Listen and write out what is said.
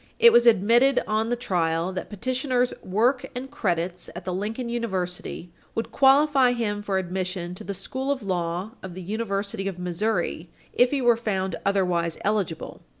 It was admitted on the trial that petitioner's "work and credits at the Lincoln University would qualify him for admission to the School of Law of the University of Missouri if he were found otherwise eligible."